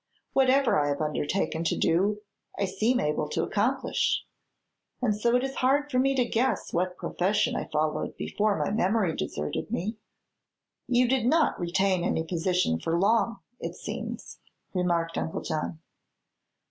Whatever I have undertaken to do I seem able to accomplish, and so it is hard for me to guess what profession I followed before my memory deserted me." "You did not retain any position for long, it seems," remarked Uncle John.